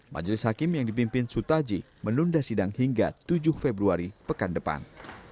majelis hakim yang dipimpin sutaji menunda sidang hingga tujuh februari pekan depan